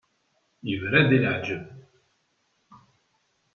Yebra-d i leɛǧeb.